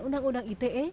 undang undang ite dan